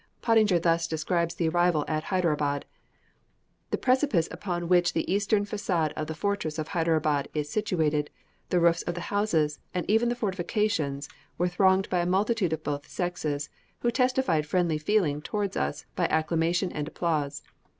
Pottinger thus describes the arrival at Hyderabad. "The precipice upon which the eastern façade of the fortress of Hyderabad is situated, the roofs of the houses, and even the fortifications, were thronged by a multitude of both sexes, who testified friendly feeling towards us by acclamation and applause.